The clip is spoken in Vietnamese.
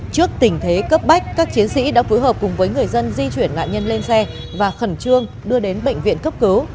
trước tình thế cấp bách các chiến sĩ đã phối hợp cùng với người dân di chuyển nạn nhân lên xe và khẩn trương đưa đến bệnh viện cấp cứu